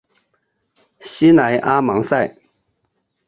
西莱阿芒塞。